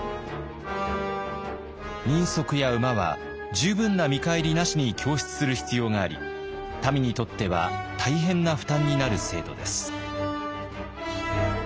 人足や馬は十分な見返りなしに供出する必要があり民にとっては大変な負担になる制度です。